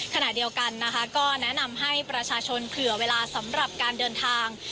ขณะเดียวกันนะคะก็แนะนำให้ประชาชนเผื่อเวลาสำหรับการเดินทาง